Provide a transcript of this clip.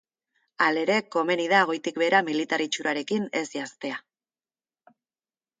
Halere, komeni da goitik behera militar itxurarekin ez janztea.